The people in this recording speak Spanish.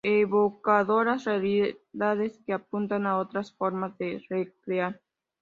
Evocadoras realidades que apuntan a otras formas de recrear